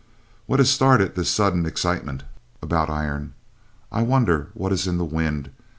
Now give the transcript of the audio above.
What has started this sudden excitement about iron? I wonder what is in the wind?